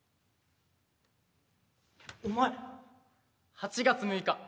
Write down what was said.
８月６日。